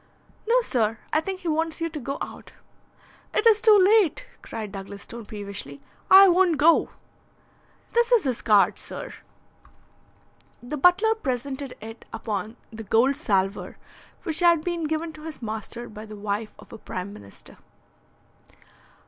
"No, sir; I think he wants you to go out." "It is too late," cried Douglas Stone peevishly. "I won't go." "This is his card, sir." The butler presented it upon the gold salver which had been given to his master by the wife of a Prime Minister.